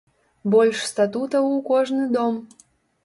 Больш статутаў у кожны дом!